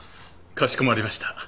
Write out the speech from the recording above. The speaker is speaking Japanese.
かしこまりました。